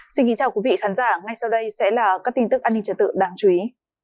xin kính chào quý vị khán giả ngay sau đây sẽ là các tin tức an ninh trật tự đáng chú ý